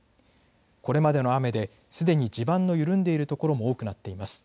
これまでの雨で、すでに地盤の緩んでいるところも多くなっています。